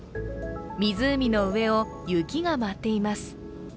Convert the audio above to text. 湖の上を雪が舞っています。